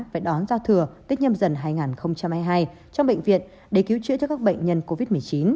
phải đón giao thừa tết nhâm dần hai nghìn hai mươi hai trong bệnh viện để cứu chữa cho các bệnh nhân covid một mươi chín